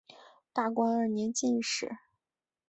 大观二年进士。